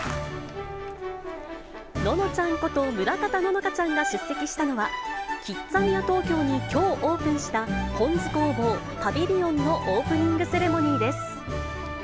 ののちゃんこと村方乃々佳ちゃんが出席したのは、キッザニア東京にきょうオープンした、ぽん酢工房パビリオンのオープニングセレモニーです。